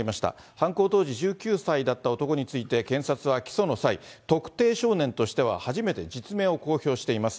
犯行当時１９歳だった男について、検察は起訴の際、特定少年としては初めて実名を公表しています。